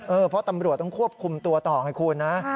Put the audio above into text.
เพราะตำรวจต้องควบคุมตัวต่อไงคุณนะ